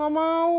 ntar aku jual